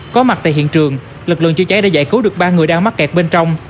có mặt tại hiện trường lực lượng chữa cháy đã giải cứu được ba người đang mắc kẹt bên trong